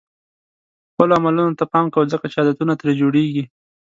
خپلو عملونو ته پام کوه ځکه چې عادتونه ترې جوړېږي.